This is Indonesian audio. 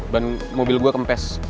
ban mobil gue kempes